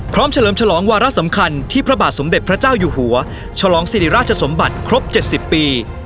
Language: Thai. เฉลิมฉลองวาระสำคัญที่พระบาทสมเด็จพระเจ้าอยู่หัวฉลองสิริราชสมบัติครบ๗๐ปี